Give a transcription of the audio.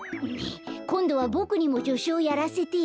こんどはボクにもじょしゅをやらせてよ。